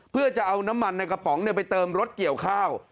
เพื่อจะเอาน้ำมันในกระป๋องไปเติมรถเกี่ยวข้าว